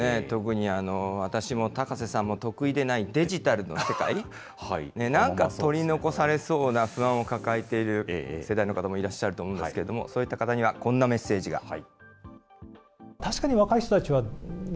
特に、私も高瀬さんも得意でないデジタルの世界、なんか取り残されそうな不安を抱えている世代の方もいらっしゃると思うんですけれども、そういった方には、こんなメッセージが。